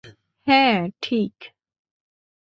হ্যাঁ, ঠিক।